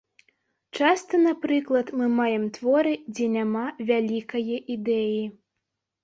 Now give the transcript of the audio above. Часта, напрыклад, мы маем творы, дзе няма вялікае ідэі.